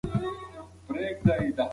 ونه بېرته شنه او تازه شوه.